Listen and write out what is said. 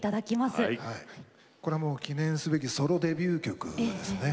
これはもう記念すべきソロデビュー曲ですね。